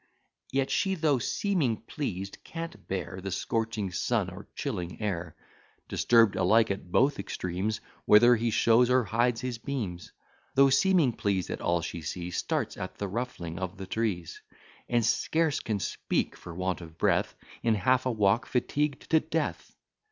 Yet she, though seeming pleased, can't bear The scorching sun, or chilling air; Disturb'd alike at both extremes, Whether he shows or hides his beams: Though seeming pleased at all she sees, Starts at the ruffling of the trees, And scarce can speak for want of breath, In half a walk fatigued to death.